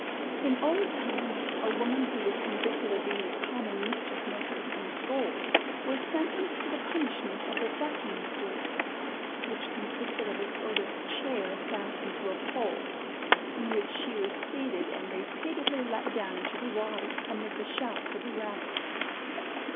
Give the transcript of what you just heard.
In old times, a woman who was convicted of being a common mischief maker and scold, was sentenced to the punishment of the ducking stool; which consisted of a sort of chair fastened to a pole, in which she was seated and repeatedly let down into the water, amid the shouts of the rabble.